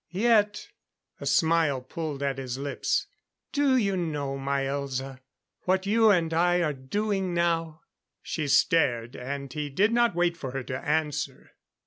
Yet " A smile pulled at his lips. "Do you know, my Elza, what you and I are doing now?" She stared, and he did not wait for her to answer.